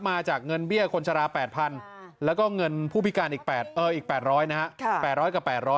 มาจากเงินเบี้ยคนชะระ๘๐๐๐แล้วก็เงินผู้บีการ๘๐๐กับ๘๐๐